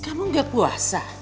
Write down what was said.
kamu gak puasa